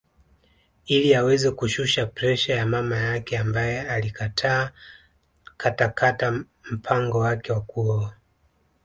Ili aweze kushusha presha ya mama yake ambaye alikataa katakata mpango wake wa kuoa